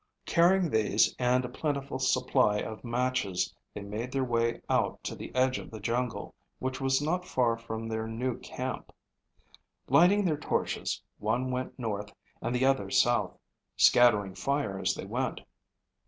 Carrying these and a plentiful supply of matches, they made their way out to the edge of the jungle, which was not far from their new camp. Lighting their torches, one went north and the other south, scattering fire as they went.